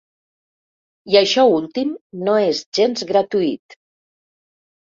I això últim no és gens gratuït.